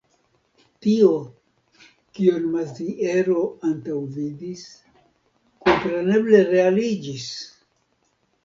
Tio, kion Maziero antaŭvidis, kompreneble realiĝis.